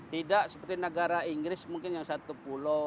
tidak seperti negara inggris mungkin yang satu pulau